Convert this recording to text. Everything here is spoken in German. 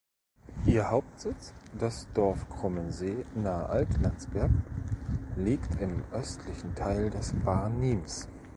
Ihr Hauptsitz, das Dorf Krummensee nahe Altlandsberg, liegt im östlichen Teil des Barnims.